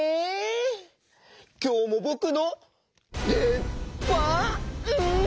きょうもぼくのでばん？